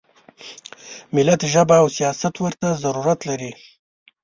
ملت ژبه او سیاست ورته ضرورت لري.